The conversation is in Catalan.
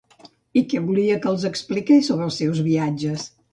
I què volia que els expliqués sobre els seus viatges?